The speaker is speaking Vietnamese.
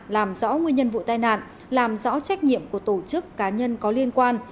làm rõ nguyên nhân vụ tai nạn làm rõ trách nhiệm của tổ chức cá nhân có liên quan